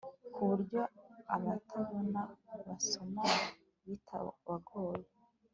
ku buryo abatabona bayasoma bitabagoye